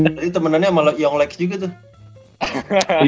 tapi temenannya sama young lex juga tuh